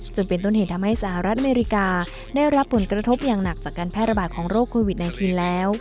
จนเป็นต้นเหตุทำให้สหรัฐอเมริกาได้รับผลกระทบอย่างหนักจากการแพร่ระบาดของโรคโควิด๑๙แล้ว